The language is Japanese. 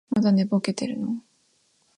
まだ寝ぼけてるの？